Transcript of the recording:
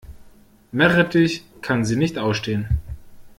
Meerrettich kann sie nicht ausstehen.